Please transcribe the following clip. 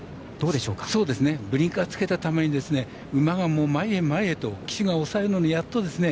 ブリンカーを着けたために馬が前へ前へと騎手が抑えるのがやっとですね。